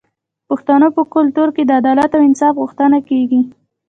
د پښتنو په کلتور کې د عدل او انصاف غوښتنه کیږي.